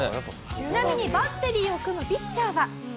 ちなみにバッテリーを組むピッチャーは。